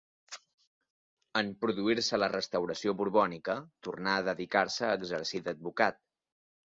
En produir-se la restauració borbònica tornà a dedicar-se a exercir d'advocat.